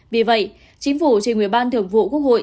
vì vậy chính phủ trên nguyên ban thượng vụ quốc hội